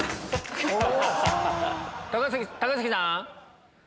高杉さん！